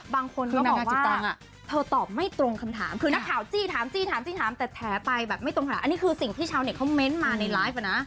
บางคนเธอตอบไม่ตรงคำถามคือนักข่าวจี้ถามจี้ถามจี้ถามแต่แถไปแบบไม่ตรงฐานอันนี้คือสิ่งที่ชาวเน็ตเขาเม้นต์มาในไลฟ์อ่ะนะ